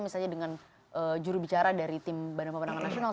misalnya dengan jurubicara dari tim badan pemenangan nasional